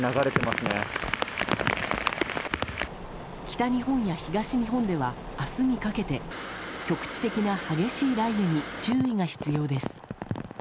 北日本や東日本では明日にかけて局地的な激しい雷雨に注意が必要です。